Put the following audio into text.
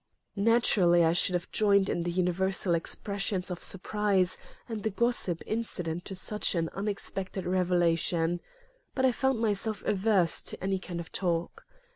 Naturally I should have joined in the universal expressions of surprise and the gossip incident to such an unexpected revelation. But I found myself averse to any kind of talk.